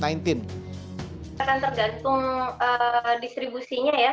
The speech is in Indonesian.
akan tergantung distribusinya ya